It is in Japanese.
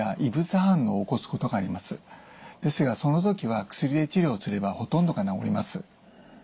ですがその時は薬で治療すればほとんどが治ります。